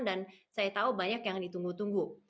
dan saya tahu banyak yang ditunggu tunggu